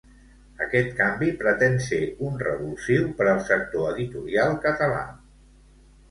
Aquest canvi pretén ser un revulsiu per al sector editorial català.